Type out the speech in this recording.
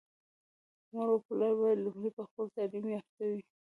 مور او پلار بايد لومړی په خپله تعليم يافته وي.